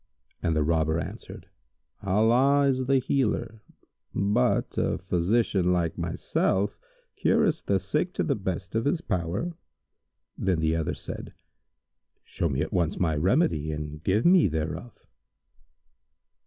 and the Robber answered, "Allah is the Healer; but a physician like myself cureth the sick to the best of his power." Then the other said, "Show me at once my remedy and give me thereof."